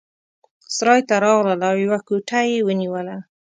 سرای ته راغلل او یوه کوټه یې ونیوله.